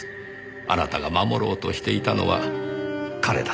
あなたが守ろうとしていたのは彼だった。